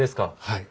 はい。